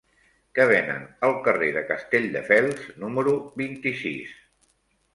Què venen al carrer de Castelldefels número vint-i-sis?